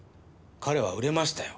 彼は売れましたよ。